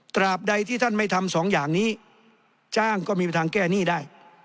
ตราบใดที่ท่านไม่ทำสองอย่างนี้จ้างก็มีทางแก้หนี้ได้